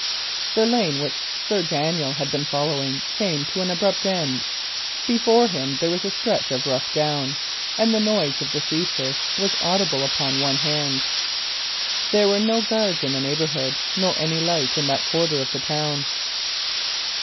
The lane which Sir Daniel had been following came to an abrupt end. Before him there was a stretch of rough down, and the noise of the sea surf was audible upon one hand. There were no guards in the neighbourhood, nor any light in that quarter of the town.